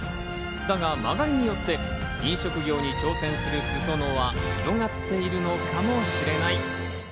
だが間借りによって飲食業に挑戦する裾野は広がっているのかもしれない。